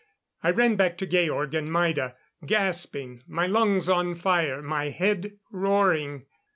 I ran back to Georg and Maida, gasping, my lungs on fire, my head roaring.